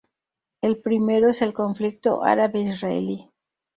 El primero es el conflicto árabe-Israelí.